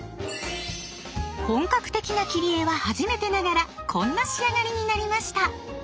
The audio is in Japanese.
本格的な切り絵は初めてながらこんな仕上がりになりました。